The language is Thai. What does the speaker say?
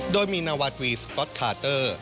โดยมีนาวาทวีสก๊อตคาเตอร์